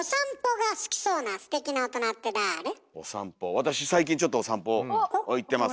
私最近ちょっとお散歩行ってます。